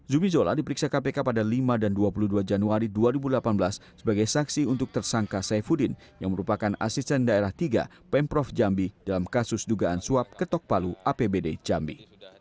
zubizola diperiksa kpk pada lima dan dua puluh dua januari dua ribu delapan belas sebagai saksi untuk tersangka saifuddin yang merupakan asisten daerah tiga pemprov jambi dalam kasus dugaan suap ketok palu apbd jambi